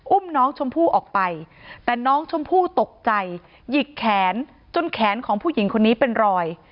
อุ้มน้องชมพู่ออกไปแต่น้องชมพู่ตกใจหยิกแขนจนแขนของผู้หญิงคนนี้เป็นรอย